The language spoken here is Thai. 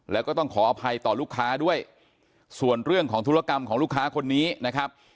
แล้วก็ต้องขออภัยต่อลูกค้าด้วยส่วนเรื่องของธุรกรรมของลูกค้าคนนี้นะครับ